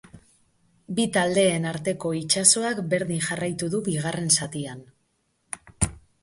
Bi taldeen arteko itsasoak berdin jarraitu du bigarren zatian.